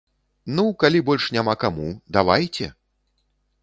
Ну, калі больш няма каму, давайце!